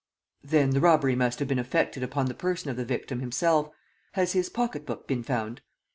"Then the robbery must have been effected upon the person of the victim himself. Has his pocket book been found?"